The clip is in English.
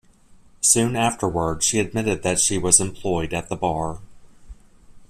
Soon afterward, she admitted that she was employed at the bar.